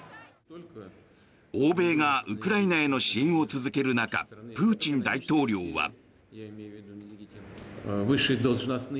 欧米がウクライナへの支援を続ける中プーチン大統領は。